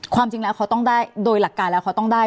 ความจริงแล้วเขาต้องได้โดยหลักการแล้วเขาต้องได้